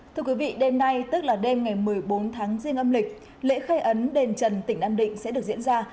thưa quý vị đêm nay tức là đêm ngày một mươi bốn tháng riêng âm lịch lễ khai ấn đền trần tỉnh nam định sẽ được diễn ra